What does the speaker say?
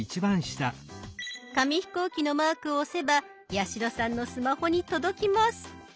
紙飛行機のマークを押せば八代さんのスマホに届きます。